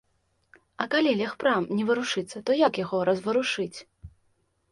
А калі легпрам не варушыцца, то як яго разварушыць?